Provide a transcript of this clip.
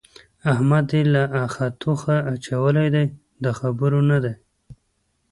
احمد يې له اخه توخه اچولی دی؛ د خبرو نه دی.